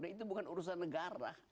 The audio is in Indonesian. itu bukan urusan negara